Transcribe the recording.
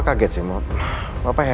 mau kekerjaan ya